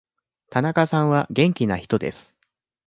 田中さんは元気な人です。